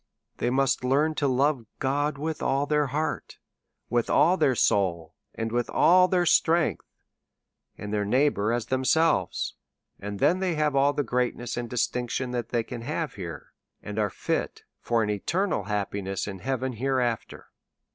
They must learn to love God with all their heart, with all their soul, and with all their strength, and their neighbour as themselves ; and then they have all the greatness and distinction that they can have here, and are fit for an eternal happiness in heaven hereafter.